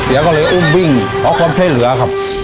รถยังก็เลยอุ่มบิ่งเพราะความเท่หรือครับ